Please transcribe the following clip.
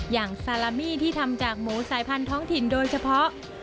อย่างซาลามี่ที่ทำจากหมูสายพันธุ์ท้องถิ่นโดยเฉพาะ